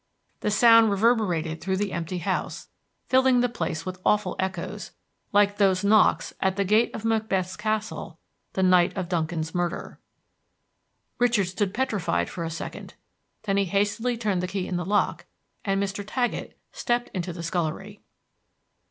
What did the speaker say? The sound reverberated through the empty house, filling the place with awful echoes, like those knocks at the gate of Macbeth's castle the night of Duncan's murder. Richard stood petrified for a second; then he hastily turned the key in the lock, and Mr. Taggett stepped into the scullery.